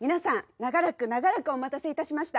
長らく長らくお待たせいたしました！